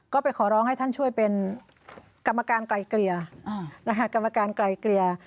ก็ไปขอร้องให้ท่านช่วยเป็นกรรมการไกล่เกลี่ย